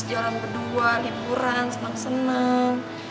jalan berdua liburan senang senang